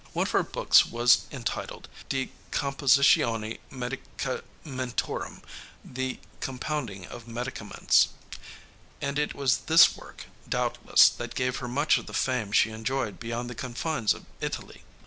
One of her books was entitled De Compositione Medicamentorum the Compounding of Medicaments and it was this work, doubtless, that gave her much of the fame she enjoyed beyond the confines of Italy.